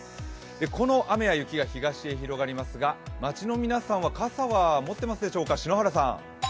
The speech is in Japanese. この雨や雪が東へ広がりますが街の皆さんは傘は持ってますでしょうか。